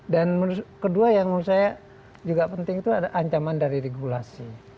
dan kedua yang menurut saya juga penting itu ada ancaman dari regulasi